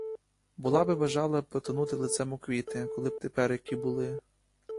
Була би бажала потонути лицем у квіти, коли б тепер які були.